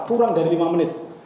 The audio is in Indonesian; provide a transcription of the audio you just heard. kurang dari lima menit